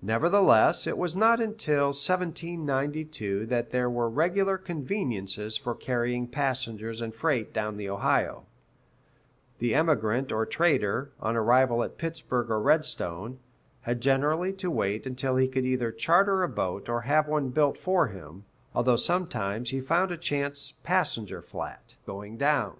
Nevertheless, it was not until 1792 that there were regular conveniences for carrying passengers and freight down the Ohio; the emigrant or trader, on arrival at Pittsburg or Redstone, had generally to wait until he could either charter a boat or have one built for him, although sometimes he found a chance "passenger flat" going down.